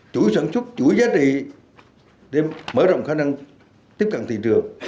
chuỗi sản xuất chuỗi giá trị để mở rộng khả năng tiếp cận thị trường